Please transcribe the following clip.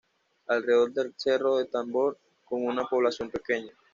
Alrededor de Cerro El Tambor con una población pequeña.